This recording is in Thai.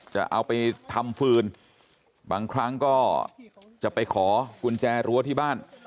จะเอาไปทำฟืนบางครั้งก็จะไปขอกุญแจรั้วที่บ้าน